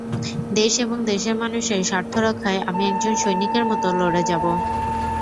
দেশ এবং দেশের মানুষের স্বার্থ রক্ষায় আমি একজন সৈনিকের মতো লড়ে যাব।